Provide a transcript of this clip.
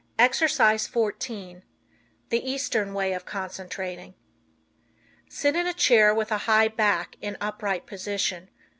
Exercise 14 The Eastern Way of Concentrating. Sit in a chair with a high back in upright position.